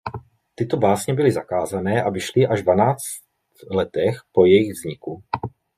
Tyto básně byly zakázané a vyšly až dvanáct letech po jejich vzniku.